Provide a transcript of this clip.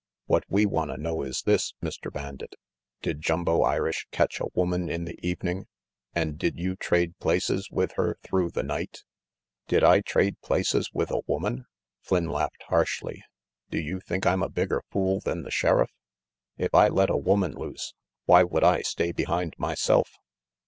"What we wanta know is this, Mr. Bandit did Jumbo Irish catch a woman in the evening, an' did you trade places with her through the night?" 204 RANGY PETE "Did I trade places with a woman?" Flynn laughed harshly. "Do you think I'm a bigger fool than the Sheriff? If I let a woman loose, why would I stay behind myself?"